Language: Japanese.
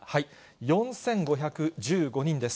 ４５１５人です。